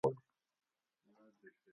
پاسپورتونو دخولي وخوړه.